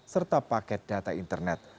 serta paket data internet